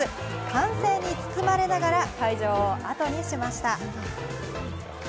歓声に包まれながら会場を後にしました。